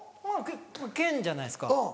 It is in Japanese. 剣じゃないですか。